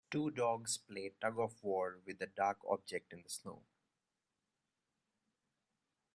Two dogs play tugofwar with a dark object in the snow.